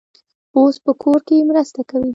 اوس په کور کې مرسته کوي.